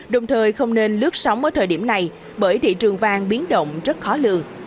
đồng thời không nên lướt sóng ở thời điểm này bởi thị trường vàng biến động rất khó lường